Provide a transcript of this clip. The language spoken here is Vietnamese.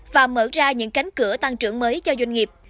và mở ra những cánh cửa tăng trưởng mới cho doanh nghiệp